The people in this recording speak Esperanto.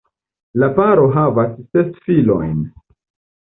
La paro havas ses filojn.